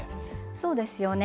そうですよね。